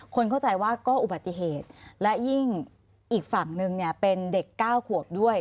คนเข้าใจว่าก็อุบัติเหตุและยิ่งอีกฝั่งนึงเนี่ยเป็นเด็ก๙ขวบด้วย